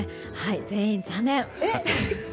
全員、残念！